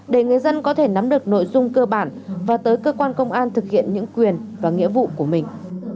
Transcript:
để người dân có thể nắm được nội dung cơ bản và tới cơ quan công an thực hiện những quyền và nghĩa vụ của mình